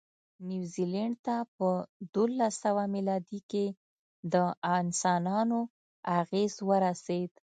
نیوزیلند ته په دوولسسوه مېلادي کې د انسانانو اغېز ورسېد.